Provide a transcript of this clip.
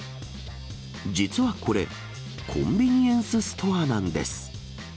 実はこれ、コンビニエンスストアなんです。